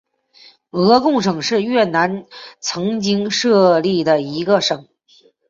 鹅贡省是越南曾经设立的一个省。